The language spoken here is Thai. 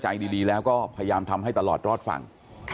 ใจดีแล้วก็พยายามทำให้ตลอดรอดฝั่ง